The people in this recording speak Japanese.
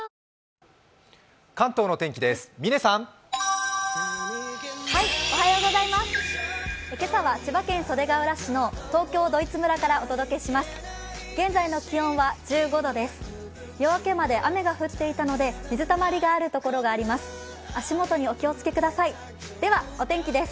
夜明けまで雨が降っていたので水たまりがあるところがあります。